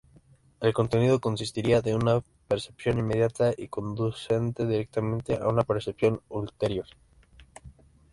El contenido consistiría de "una percepción inmediata y conducente directamente a otra percepción ulterior".